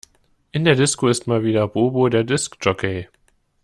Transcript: In der Disco ist mal wieder Bobo der Disk Jockey.